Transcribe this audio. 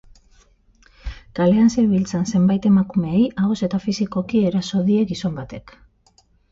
Kalean zebiltzan zenbait emakumeei ahoz eta fisikoki eraso die gizon batek.